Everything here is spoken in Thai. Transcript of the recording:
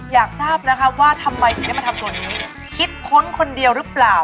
อยากทราบนะคะว่าทำไมถึงได้มาทำตัวนี้คิดค้นคนเดียวหรือเปล่า